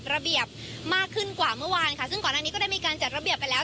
ระเบียบมากขึ้นกว่าเมื่อวานค่ะซึ่งก่อนหน้านี้ก็ได้มีการจัดระเบียบไปแล้ว